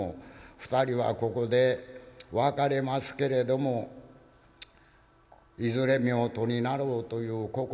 『二人はここで別れますけれどもいずれ夫婦になろう』という心の誓詞や。